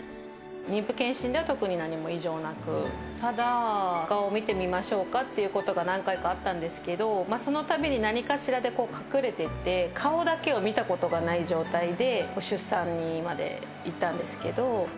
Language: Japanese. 妊婦健診では特に何も異常なく、ただ、お顔を見てみましょうかってことが何回かあったんですけど、そのたびに何かしらで隠れてて、顔だけを見たことがない状態で、出産にまでいったんですけど。